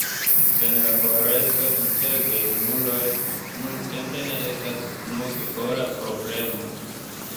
Senlaboreco inter gejunuloj nuntempe ne estas nur pola problemo.